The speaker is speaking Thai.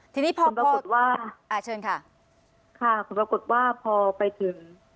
ทีนี้พอปรากฏว่าอ่าเชิญค่ะค่ะผลปรากฏว่าพอไปถึง